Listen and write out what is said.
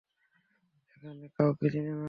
এখানে কাউকে চিনে না।